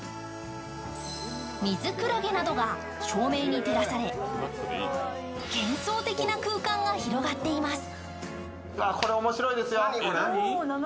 ミズクラゲなどが照明に照らされ幻想的な空間が広がっています。